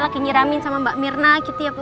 lagi nyiramin sama mbak mirna gitu ya bu